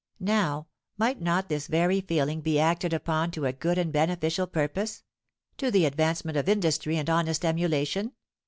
Now, might not this very feeling be acted upon to a good and beneficial purpose,—to the advancement of industry and honest emulation?